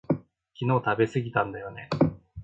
昨日食べすぎたんだよね